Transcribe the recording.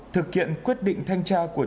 thực kiện quyết định thanh tra của